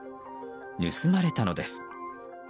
盗まれたのです。